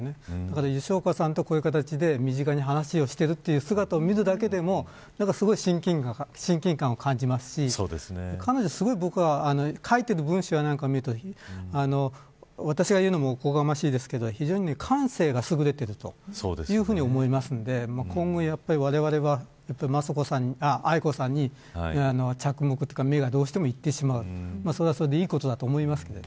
吉岡さんと身近に話している姿を見るだけでもすごい親近感を感じますし彼女の書いている文章などを見ると私が言うのもおこがましいですが非常に感性が優れていると思いますので今後、やっぱりわれわれは愛子さまに着目するというか目がどうしてもいってしまうそれはそれでいいことだと思います。